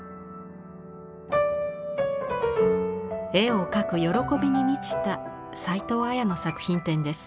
絵を描く喜びに満ちた齊藤彩の作品展です。